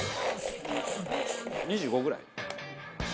２５ぐらい？